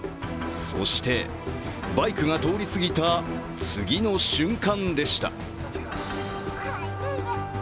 そして、バイクが通りすぎた次の瞬間でした。